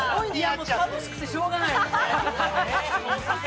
もう楽しくてしょうがないの。